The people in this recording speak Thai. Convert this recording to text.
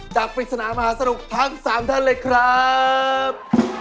จากภิกษณะมหาสนุกทั้งสามท่านเลยครับ